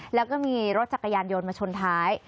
แล้วก็มีรถจักรยานยนต์มาชนท้าย